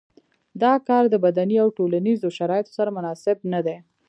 دا کار د بدني او ټولنیزو شرایطو سره مناسب نه دی.